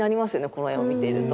この絵を見ていると。